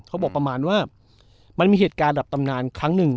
เขาบอกประมาณว่ามันมีเหตุการณ์ดับตำนานครั้งหนึ่ง